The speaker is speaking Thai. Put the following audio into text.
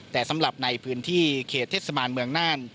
แต่สำหรับในพื้นที่เขตเทศบาลเมืองน่าน